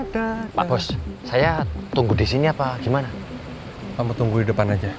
dengan dia pun homeowners lagi akan mencari teman